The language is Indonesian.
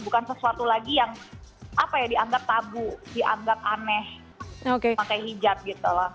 bukan sesuatu lagi yang apa ya dianggap tabu dianggap aneh pakai hijab gitu loh